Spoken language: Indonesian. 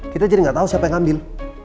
kita jadi gak tau siapa yang ngambil